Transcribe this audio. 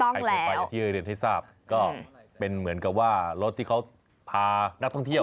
ถูกต้องแล้วเป็นเหมือนกับว่ารถที่เขาพานักท่องเที่ยว